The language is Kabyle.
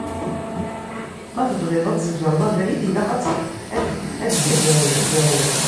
Ma tebɣiḍ ad tzegreḍ abrid ilaq ad terjuḍ ad yuɣal d adal.